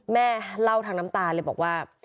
แม่เล่าทางน้ำตาเลยบอกว่า